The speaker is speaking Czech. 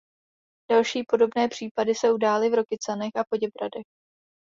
Další podobné případy se udály v Rokycanech a v Poděbradech.